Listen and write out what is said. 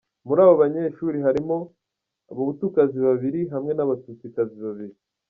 Muri abo banyeshuri harimo abahutukazi babiri, hamwe n’abatutsikazi babiri.